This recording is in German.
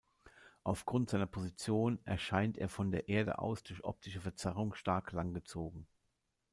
Aufgrund seiner Position erscheint er von der Erde aus durch optische Verzerrung stark langgezogen.